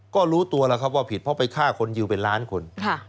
ก็รู้ตัวแล้วครับว่าผิดเพราะไปฆ่าคนยิวเป็นล้านคน